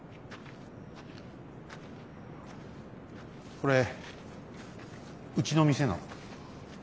これうちの店の。